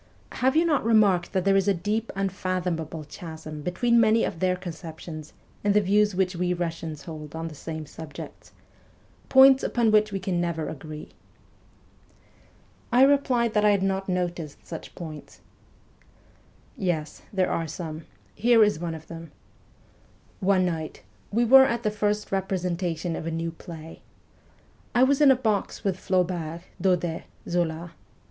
' Have you not remarked that there is a deep, unfathomable chasm between many of their conceptions and the views which we Russians hold on the same subjects points upon which we can never agree ?' I replied that I had not noticed such points. ' Yes, there are some. Here is one of them. One night, we were at the first representation of a new play. I was in a box with Flaubert, Daudet, Zola. ...